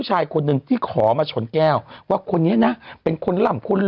นี่นี่นี่นี่นี่นี่นี่นี่นี่นี่